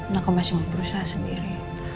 nah kamu masih mau berusaha sendiri